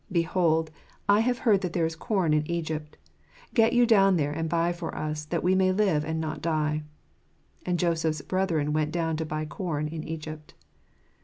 Behold, I have heard that there is com in Egypt ; get you down there and buy for us, that we may live and not die. And Joseph's ten brethren went down to buy corn in Egypt."